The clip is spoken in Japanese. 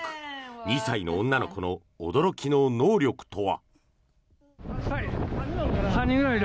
２歳の女の子の驚きの能力とは。